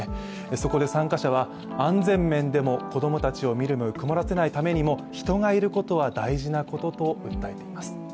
そこで参加者は、安全面でも子供たちを見る目を曇らせないためにも人がいることは大事なことと訴えています。